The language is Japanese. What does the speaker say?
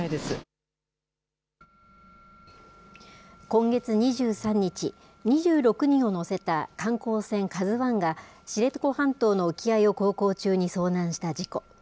今月２３日、２６人を乗せた観光船ＫＡＺＵＩが、知床半島の沖合を航行中に遭難した事故。